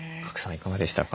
いかがでしたか？